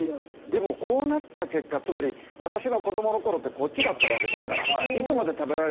でもこうなった結果つまり私の子どもの頃ってこっちだったわけですから。